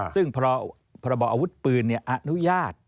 ซึ่งพระบอบอาวุธปืนเนี่ยอนุญาต